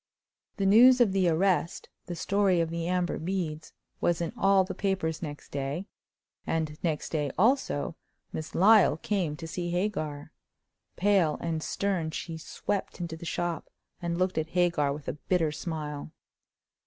The news of the arrest, the story of the amber beads, was in all the papers next day; and next day, also, Miss Lyle came to see Hagar. Pale and stern, she swept into the shop, and looked at Hagar with a bitter smile.